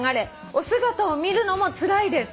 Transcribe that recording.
お姿を見るのもつらいです」